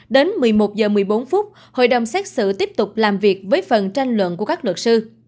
đến một mươi một h một mươi bốn hội đồng xét xử tiếp tục làm việc với phần tranh luận của các luật sư